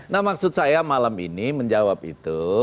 nah maksud saya malam ini menjawab itu